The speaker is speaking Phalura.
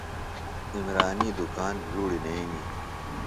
عمرانی دُکان بھیوڑیۡ نئینیۡ۔